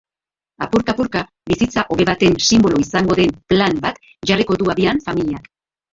Apurka-apurka bizitza hobe baten sinbolo izango den plan bat jarriko du abian familiak.